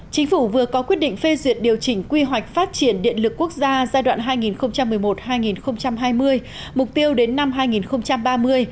chính phủ vừa có quyết định phê duyệt điều chỉnh quy hoạch phát triển điện lực quốc gia giai đoạn hai nghìn một mươi một hai nghìn hai mươi mục tiêu đến năm hai nghìn ba mươi